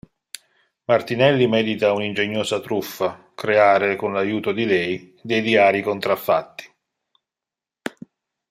Martinelli medita un'ingegnosa truffa, creare con l'aiuto di lei, dei diari contraffatti.